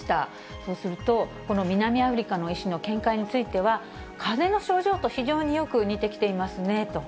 そうすると、この南アフリカの医師の見解については、かぜの症状と非常によく似てきていますねと。